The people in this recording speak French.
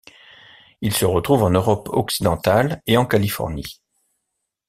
Il se retrouve en Europe occidentale et en Californie.